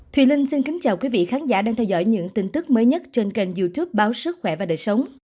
thùy linh xin kính chào quý vị khán giả đang theo dõi những tin tức mới nhất trên kênh youtube báo sức khỏe và đời sống